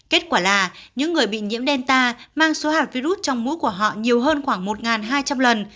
kết quả là những người bị nhiễm delta mang số hạt virus trong mũi của họ nhiều hơn khoảng một hai trăm linh lần